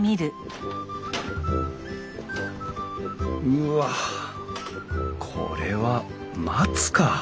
うわこれは松か。